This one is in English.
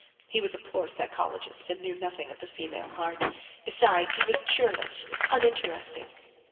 He was a poor psychologist, and knew nothing of the female heart; besides, he was churlish, uninteresting.